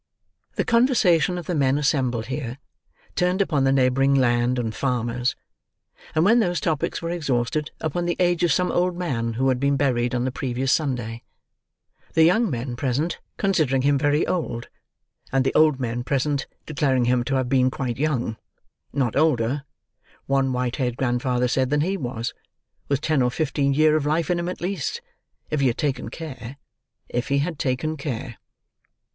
The conversation of the men assembled here, turned upon the neighbouring land, and farmers; and when those topics were exhausted, upon the age of some old man who had been buried on the previous Sunday; the young men present considering him very old, and the old men present declaring him to have been quite young—not older, one white haired grandfather said, than he was—with ten or fifteen year of life in him at least—if he had taken care; if he had taken care.